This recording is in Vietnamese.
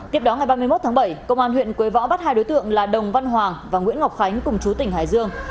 tiếp đó ngày ba mươi một tháng bảy công an huyện quế võ bắt hai đối tượng là đồng văn hoàng và nguyễn ngọc khánh cùng chú tỉnh hải dương